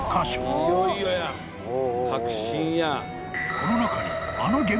［この中に］